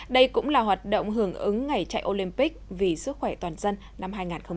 đây cũng là hoạt động hưởng ứng ngày chạy olympic vì sức khỏe toàn dân năm hai nghìn hai mươi